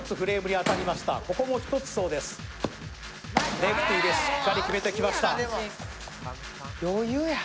レフティーでしっかり決めてきました。